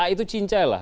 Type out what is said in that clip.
itu cincah lah